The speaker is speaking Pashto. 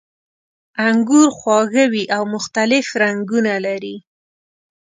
انګور خواږه وي او مختلف رنګونه لري.